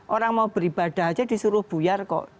orang mau beribadah aja disuruh buyar kok